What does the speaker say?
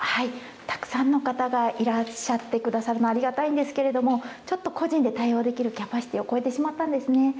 たくさんの方がいらっしゃってくださるのはありがたいんですけれども、ちょっと個人で対応できるキャパシティーを超えてしまったんですね。